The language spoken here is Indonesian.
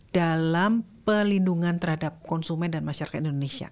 dalam pelindungan terhadap konsumen dan masyarakat indonesia